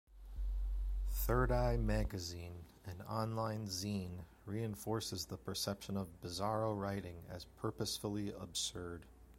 "Thirdeye Magazine", an online zine, reinforces the perception of Bizarro writing as purposefully absurd.